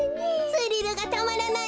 スリルがたまらないわべ。